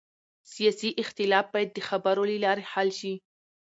سیاسي اختلاف باید د خبرو له لارې حل شي